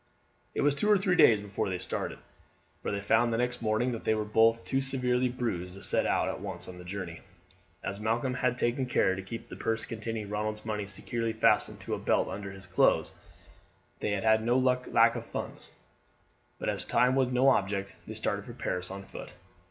It was two or three days before they started, for they found the next morning that they were both too severely bruised to set out at once on the journey. As Malcolm had taken care to keep the purse containing Ronald's money securely fastened to a belt under his clothes they had no lack of funds; but as time was no object they started for Paris on foot.